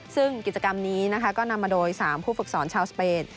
ซึ่งกิจกรรมนี้นะคะก็นำมาโดย๓ผู้ฝึกสอนชาวสเปน